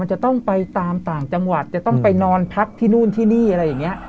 จะต้องไปตามต่างจังหวัดจะต้องไปนอนพักที่นู่นที่นี่อะไรอย่างนี้